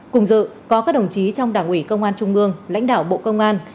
cùng dự có các đồng chí trong đảng ủy công an trung ương lãnh đạo bộ công an